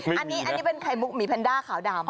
อันนี้เป็นไข่มุกหมีแพนด้าขาวดำ